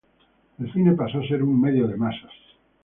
El cine pasó a ser un medio de masas.